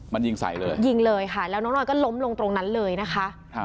มันยิงใส่เลยยิงเลยค่ะแล้วน้องหน่อยก็ล้มลงตรงนั้นเลยนะคะ